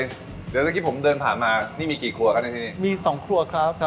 เดี๋ยวเมื่อกี้ผมเดินผ่านมานี่มีกี่ครัวครับในที่นี่มีสองครัวครับ